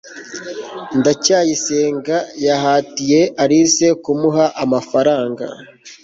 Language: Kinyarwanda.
ndacyayisenga yahatiye alice kumuha amafaranga